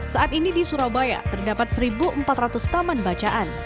saat ini di surabaya terdapat satu empat ratus taman bacaan